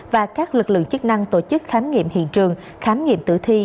và các lực lượng chức năng tổ chức khám nghiệm hiện trường khám nghiệm tử thi